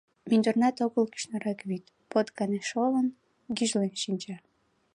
Мӱндырнат огыл кӱшнырак вӱд, под гане шолын, гӱжлен шинча.